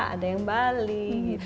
ada yang bali